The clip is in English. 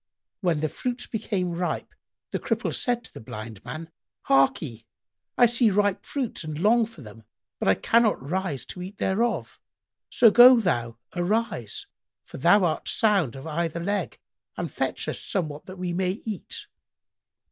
When the fruits became ripe, the Cripple said to the Blind man, "Harkye, I see ripe fruits and long for them, but I cannot rise to eat thereof; so go thou arise, for thou art sound of either leg, and fetch us somewhat that we may eat."